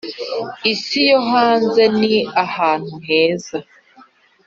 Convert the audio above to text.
isi yo hanze ni ahantu heza,